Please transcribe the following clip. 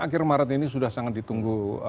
akhir maret ini sudah sangat ditunggu